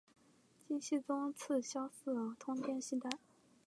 金熙宗赐萧肄通天犀带。